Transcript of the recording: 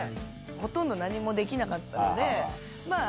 ほとんど何もできなかったのでまあ。